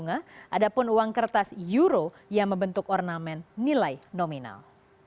ada pun uang kertas euro yang membentuk ornamen nilai nominal